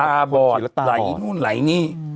ตาบอดไหลนี่ไหลนี่